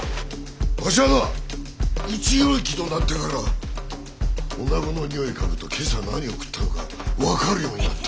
わしはな内与力となってから女子のにおい嗅ぐと今朝何を食ったのか分かるようになった。